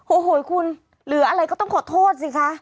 โอ้โหคุณเหลืออะไรก็ต้องขอโทษสิคะ